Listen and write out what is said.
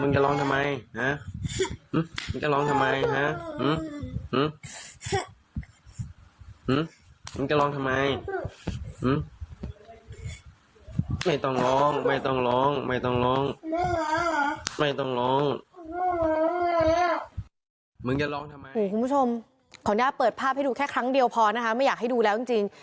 คุณผู้ชมขอแยกเปิดภาพให้ดูแค่ครั้งเดียวพอนะคะไม่อยากให้ดูแล้วจริง